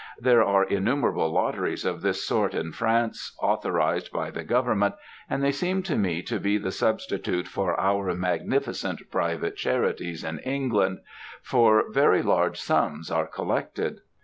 There are innumerable lotteries of this sort in France, authorized by the government; and they seem to me to be the substitute for our magnificent private charities in England, for very large sums are collected.